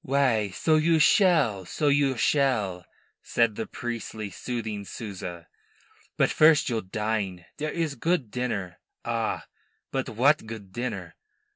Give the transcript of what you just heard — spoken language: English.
"Why, so you shall, so you shall," said the priestly, soothing Souza. "But first you'll dine. There is good dinner ah, but what good dinner!